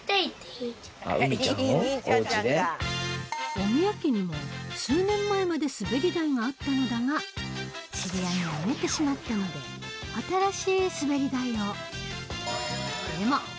お宮家にも数年前まですべり台があったのだが知り合いにあげてしまったのででもえマジ？